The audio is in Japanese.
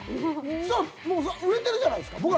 そうしたらもう売れてるじゃないですか。